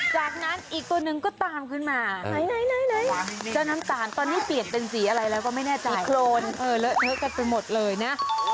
ดำหรือว่าน้ำตาลแล้วเปื้อน